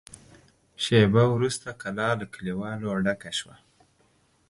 شېبه وروسته کلا له کليوالو ډکه شوه.